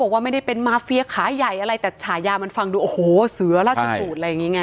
ว่าไม่ได้เป็นมาเฟียขาใหญ่อะไรแต่ฉายามันฟังดูโอ้โหเสือราชสูตรอะไรอย่างนี้ไง